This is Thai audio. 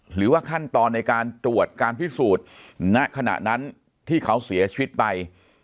หรือว่าขั้นตอนในการตรวจการพิสูจน์ณขณะนั้นที่เขาเสียชีวิตไป